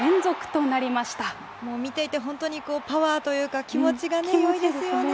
見ていて本当にパワーというか、気持ちがいいですよね。